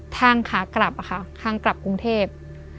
ทางขากลับค่ะทางกลับกรุงเทพ